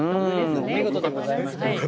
お見事でございました。